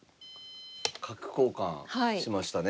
角交換しましたね。